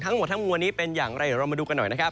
ทั้งหมดทั้งมวลนี้เป็นอย่างไรเดี๋ยวเรามาดูกันหน่อยนะครับ